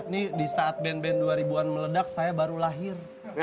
ini di saat band band dua ribu an meledak saya baru lahir